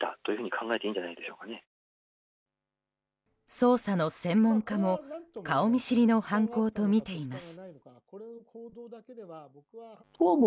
捜査の専門家も顔見知りの犯行とみています。